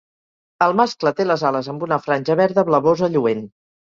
El mascle té les ales amb una franja verda blavosa lluent.